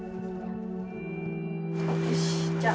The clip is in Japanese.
よしじゃあ。